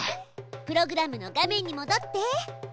プログラムの画面にもどって。